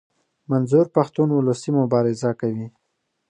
منظور پښتون اولسي مبارزه کوي.